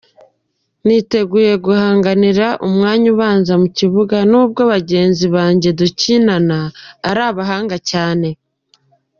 Niteguye guhanganira umwanya ubanza mu kibuga nubwo bagenzi banjye dukinana ari abahanga cyane.